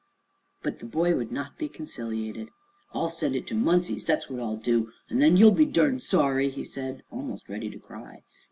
But the boy would not be conciliated. "I'll send it to Munsey's, thet's what I'll do; an' then you'll be durn sorry," he said, almost ready to cry.